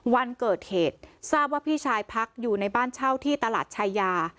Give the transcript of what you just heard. วันเกิดเหตุทราบว่าพี่ชายพักอยู่ในบ้านเช่าที่ตลาดชายา